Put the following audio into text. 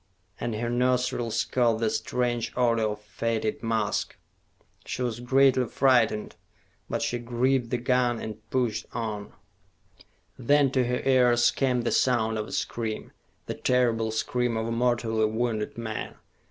And her nostrils caught the strange odor of fetid musk. She was greatly frightened; but she gripped the gun and pushed on. Then to her ears came the sound of a scream, the terrible scream of a mortally wounded man.